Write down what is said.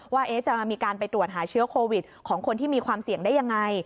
ว่าจะมีการไปตรวจหาเชื้อโควิดของคนที่มีความเสี่ยงได้ยังไง